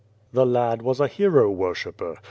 " The lad was a hero worshipper.